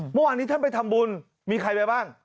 เมื่อวานนี้ท่านไปทำบุญมีใครไปบ้าง